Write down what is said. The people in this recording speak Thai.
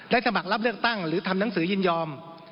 สมัครรับเลือกตั้งหรือทำหนังสือยินยอม